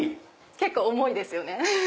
結構重いですよね。